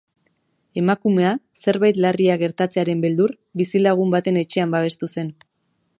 Emakumea, zerbait larria gertatzearen beldur, bizilagun baten etxean babestu zen.